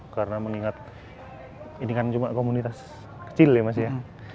karena mengingat ini kan cuma komunitas kecil ya mas ya